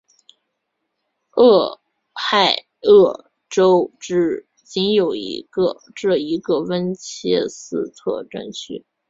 俄亥俄州仅有这一个温彻斯特镇区。